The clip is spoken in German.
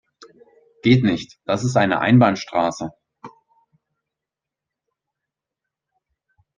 Geht nicht, das ist eine Einbahnstraße.